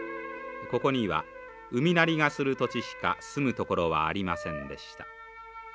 ここには海鳴りがする土地しか住むところはありませんでした。